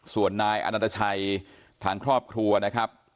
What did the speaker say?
ส่วนนายอนันตชัยทางครอบครัวนะครับ